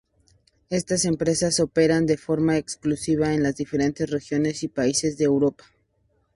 Estas empresas operan de forma exclusiva en las diferentes regiones y países de Europa.